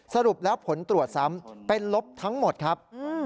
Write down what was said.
สรุปแล้วผลตรวจซ้ำเป็นลบทั้งหมดครับ